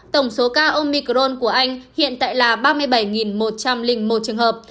tổng số ca omicron của anh hiện tại là ba mươi bảy một trăm linh một trường hợp